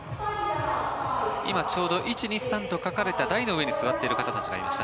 今、ちょうど１、２、３と書かれた台の上に座っている方たちがいました。